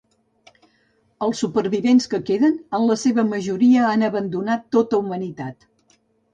Els supervivents que queden, en la seva majoria han abandonat tota humanitat.